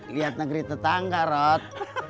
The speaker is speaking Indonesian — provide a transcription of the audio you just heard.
liat negeri tetangga rod